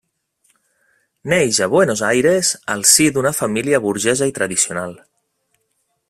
Neix a Buenos Aires al si d'una família burgesa i tradicional.